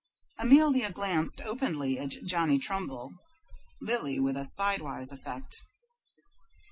Amelia glanced openly at Johnny Trumbull; Lily with a sidewise effect.